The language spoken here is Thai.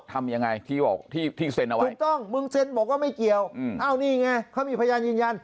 ถูกต้องมึงเซ็นบอกว่าไม่เกี่ยวเอานี่เหงะเขามีพยายามยืนยัน